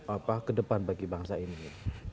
apa kedepan bagi bangsa ini